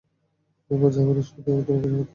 ওমর জাফরের শো তে তোমাকে স্বাগতম।